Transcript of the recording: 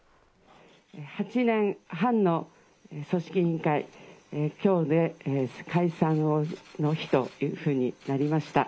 ８年半の組織委員会、きょうで解散の日というふうになりました。